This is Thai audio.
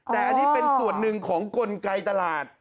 แต่อันนี้เป็นส่วนหนึ่งของกลไกตลาด